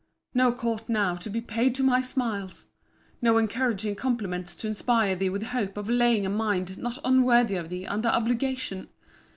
No court now to be paid to my smiles! No encouraging compliments to inspire thee with hope of laying a mind not unworthy of thee under obligation!